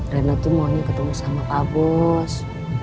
rena tuh maunya ketemu sama pak bos